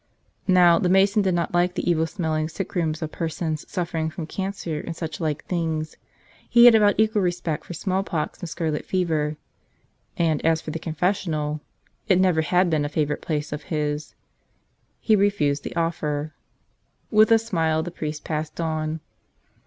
Now, the mason did not like the evil smelling sick¬ rooms of persons suffering from cancer and such like things; he had about equal respect for smallpox and scarlet fever; and as for confessional — it never had been a favorite place of his. He refused the offer. With a smile the priest passed on.